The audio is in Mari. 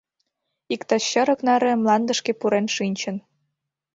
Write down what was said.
Иктаж чырык наре мландышке пурен шинчын.